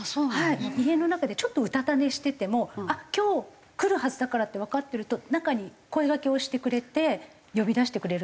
家の中でちょっとうたた寝してても今日来るはずだからってわかってると中に声がけをしてくれて呼び出してくれるんですよ。